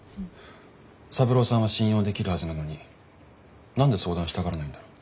三郎さんは信用できるはずなのに何で相談したがらないんだろう。